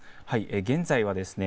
現在はですね